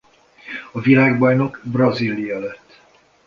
A világbajnok Brazília lett.